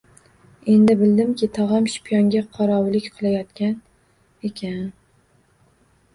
Endi bildimki, tog‘am shiyponga qorovullik qilayotgan ekan…